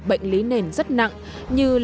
bệnh lý nền rất nặng như